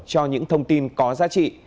cho những thông tin có giá trị